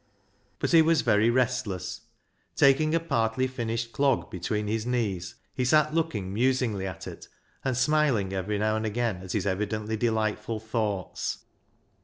But he was very restless. Taking a partly ISAAC'S FIDDLE 287 finished clog between his knees, he sat looking musingly at it and smiling every now and again at his evidently delightful thoughts.